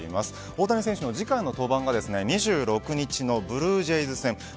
大谷選手の次回の登板は２６日のブルージェイズ戦です。